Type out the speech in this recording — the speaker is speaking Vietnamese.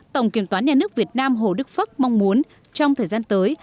tổng kiểm toán nhà nước việt nam hồ đức phất mong muốn trong thời gian tới